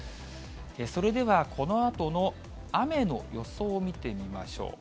それでは、このあとの雨の予想を見てみましょう。